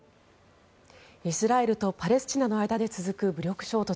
イスラエルとパレスチナの間で続く武力衝突。